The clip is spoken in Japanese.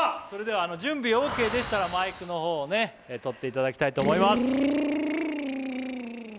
それでは準備オーケーでしたら、マイクの方を取っていただきたいと思います。